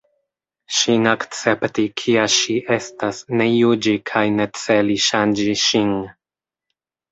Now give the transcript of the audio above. Ŝin akcepti, kia ŝi estas, ne juĝi kaj ne celi ŝanĝi ŝin.